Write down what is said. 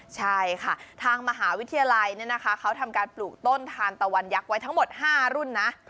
ใช่ค่ะทางมหาวิทยาลัยเขาทำการปลูกต้นทานตะวันยักษ์ไว้ทั้งหมด๕รุ่นนะ